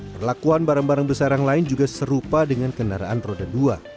perlakuan barang barang besar yang lain juga serupa dengan kendaraan roda dua